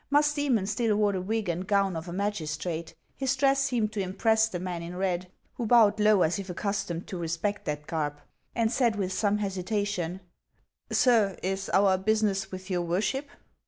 Musdcemon still wore the wig and gown of a magis trate. His dress seemed to impress the man in red, who bowed low as if accustomed to respect that garb, and said with some hesitation :" Sir, is our business with jour worship